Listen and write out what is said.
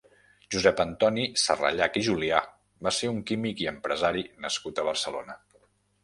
Josep Antoni Serrallach i Julià va ser un químic i empresari nascut a Barcelona.